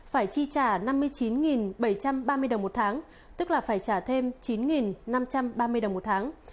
phải chi trả năm mươi chín bảy trăm ba mươi đồng một tháng tức là phải trả thêm chín năm trăm ba mươi đồng một tháng